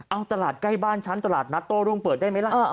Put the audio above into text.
เอาตลาดใกล้บ้านฉันตลาดนัดโต้รุ่งเปิดได้ไหมล่ะ